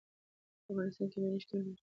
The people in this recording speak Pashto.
په افغانستان کې منی شتون لري.